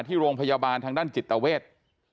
ที่โรงพยาบาลทางด้านจิตเวท